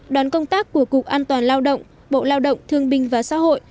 đoàn công tác của cục an toàn lao động bộ lao động thương binh và xã hội